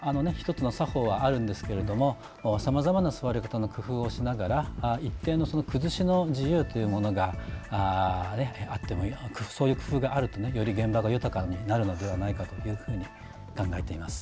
１つの作法はあるのですがさまざまな座り方の工夫をしながら一定の崩しの自由というものがそういう工夫があるとより現場が豊かになるのではないかというふうに考えています。